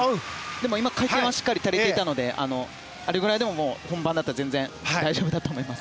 今、回転は足りていたのであれぐらいでも本番だったら全然大丈夫だと思います。